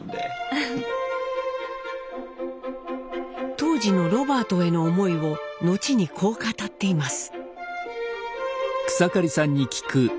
当時のロバートへの思いを後にこう語っています。